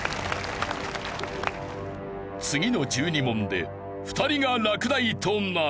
次の１２問で２人が落第となる。